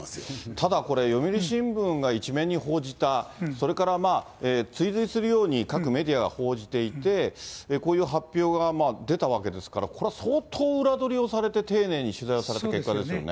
ただこれ、読売新聞が１面に報じた、それから追随するように各メディアが報じていて、こういう発表が出たわけですから、これは相当裏取りをされて、丁寧に取材をされた結果ですよね。